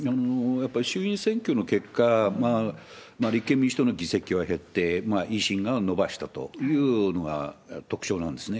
やっぱり衆議院選挙の結果、立憲民主党の議席は減って、維新が伸ばしたというのが特徴なんですね。